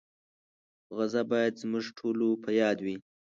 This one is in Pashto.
غزه باید زموږ ټولو په یاد وي.